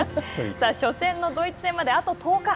初戦のドイツ戦まであと１０日。